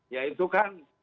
ya itu kan